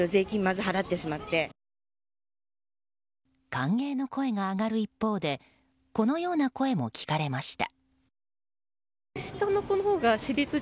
歓迎の声が上がる一方でこのような声も聞かれました。